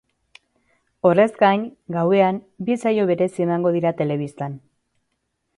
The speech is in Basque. Horrez gain, gauean, bi saio berezi emango dira telebistan.